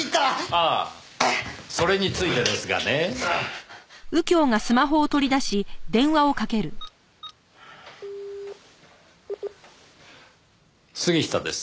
ああそれについてですがね。杉下です。